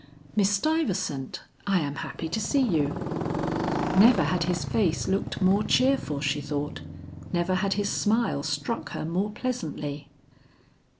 "Miss Stuyvesant! I am happy to see you." Never had his face looked more cheerful she thought, never had his smile struck her more pleasantly.